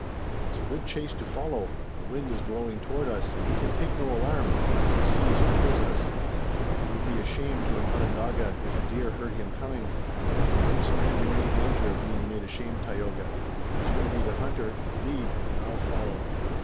"It's a good chase to follow. The wind is blowing toward us, and he can take no alarm, unless he sees or hears us." "It would be shame to an Onondaga if a deer heard him coming." "You don't stand in any danger of being made ashamed, Tayoga. As you're to be the hunter, lead and I'll follow."